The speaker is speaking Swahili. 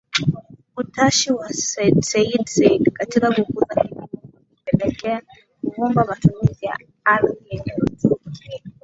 Utashi wa Seyyid Said katika kukuza kilimo kulipelekea kuvumbua matumizi ya ardhi yenye rutuba